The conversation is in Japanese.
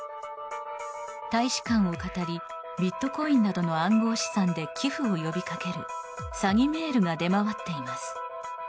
大使館をかたりビットコインなどの暗号資産で寄付を呼び掛ける詐欺メールが出回っています。